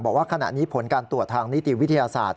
บอกว่าขณะนี้ผลการตรวจทางนิติวิทยาศาสตร์